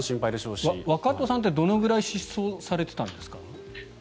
若人さんってどのくらい失踪されていたんですか？